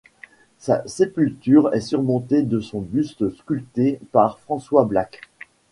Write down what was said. Sa sépulture est surmontée de son buste sculpté par François Black.